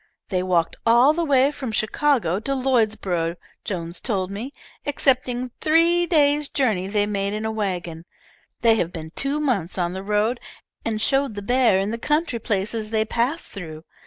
They walked all the way from Chicago to Lloydsborough, Jones told me, excepting three days' journey they made in a wagon. They have been two months on the road, and showed the bear in the country places they passed through.